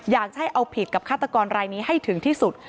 อยากจะให้เอาผิดกับฆาตกรรายนี้ให้ถึงที่สุด